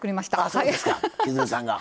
あそうですか千鶴さんが。